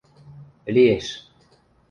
— Лиэш.